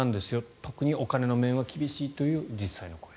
特にお金の面は厳しいという実際の声。